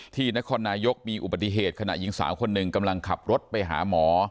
นครนายกมีอุบัติเหตุขณะหญิงสาวคนหนึ่งกำลังขับรถไปหาหมอ